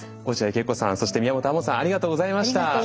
落合恵子さんそして宮本亞門さんありがとうございました。